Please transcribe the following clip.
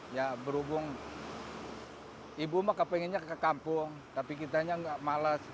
ya berhubung ibu mah kak pengennya ke kampung tapi kitanya nggak malas